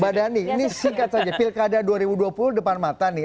badan ini singkat saja pilkada dua ribu dua puluh depan mana